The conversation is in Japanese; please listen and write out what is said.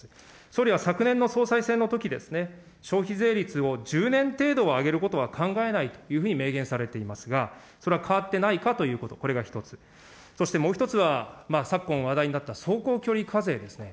総理は昨年の総裁選のときですね、消費税率を１０年程度は上げることは考えないというふうに明言されていますが、それは変わってないかということ、これが１つ、そしてもう１つは、昨今話題になった、走行距離課税ですね。